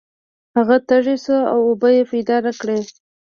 هغه تږی شو او اوبه یې پیدا نه کړې.